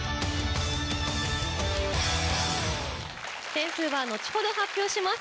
点数は後ほど発表します。